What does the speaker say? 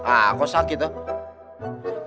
ah kok sakit tuh